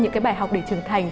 những cái bài học để trưởng thành